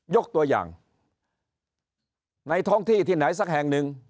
ยกตัวอย่างในท้องที่ที่ไหนสักแห่งหนึ่ง